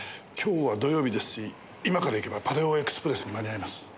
今日は土曜日ですし今から行けばパレオエクスプレスに間に合います。